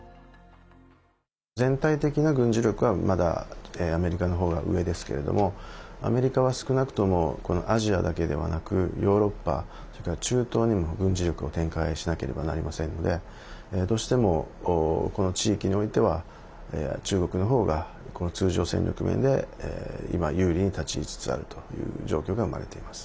全体的な軍事力は、まだアメリカの方が上ですけれどもアメリカは少なくともこのアジアだけではなくヨーロッパ、それから中東にも軍事力を展開しなければなりませんのでどうしてもこの地域においては中国の方が、この通常戦力面で今、有利に立ちつつあるという状況が生まれています。